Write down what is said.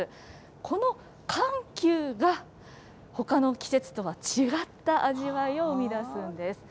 この緩急が、ほかの季節とは違った味わいを生み出すんです。